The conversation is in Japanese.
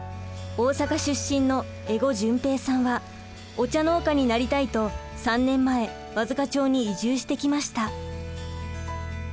大阪出身の江籠純平さんはお茶農家になりたいと３年前和束町に移住してきました。